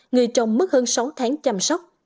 người trồng mất hơn sáu tháng chăm sóc